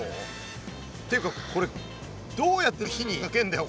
っていうかこれどうやって火にかけんだよ？